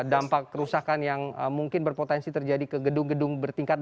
dampak kerusakan yang mungkin berpotensi terjadi ke gedung gedung bertingkat